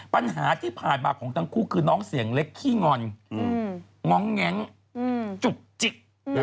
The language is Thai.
ปัญหาที่ผ่านมาของทั้งคู่คือน้องเสียงเล็กขี้งอนง้องแง้งจุกจิก